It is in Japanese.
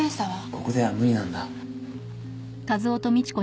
ここでは無理なんだ。